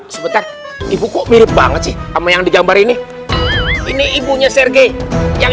sebentar ibu kok mirip banget sih sama yang digambar ini ini ibunya serge yang